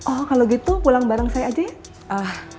oh kalau gitu pulang bareng saya aja ya